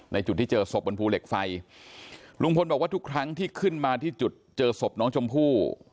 จุดที่เจอศพบนภูเหล็กไฟลุงพลบอกว่าทุกครั้งที่ขึ้นมาที่จุดเจอศพน้องชมพู่